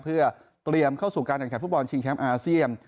เพื่อเตรียมเข้าสู่การแข่งขันฟุตบอลชิงแชมป์อาเซียน